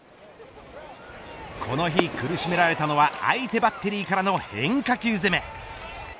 この日、苦しめられたのは相手バッテリーからの変化球攻め。